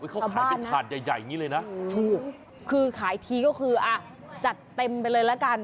เขาขายเป็นถาดใหญ่ใหญ่อย่างนี้เลยนะถูกคือขายทีก็คืออ่ะจัดเต็มไปเลยละกัน